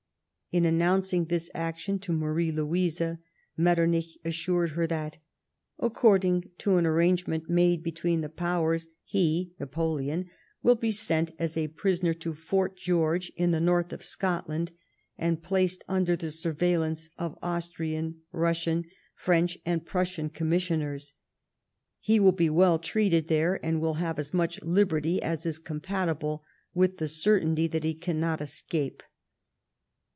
In announcing this action to Marie Louise, Metternich assured her that " according to an arrangement made between the Powers he (Napoleon) will be sent as a prisoner to Fort George, in the north of Scotland, and placed under the surveillance of Austrian, Russian, French and Prussian commissioners. He will be well treated there, and will have as much liberty as is compatible with the certainty that he cannot escape."